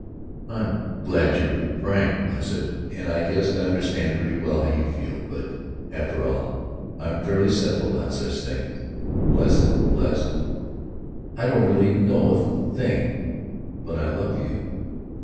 "I'm glad you're frank, blessed, and I guess I understand pretty well how you feel, but, after all, I'm fairly simple about such things. Blessed, blessed, I don't really know a thing but 'I love you.'"